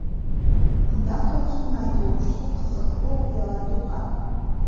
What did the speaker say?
Анда автобустун айдоочусу кызыктуу окуяларды угат.